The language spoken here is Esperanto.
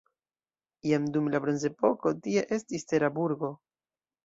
Jam dum la bronzepoko tie estis tera burgo.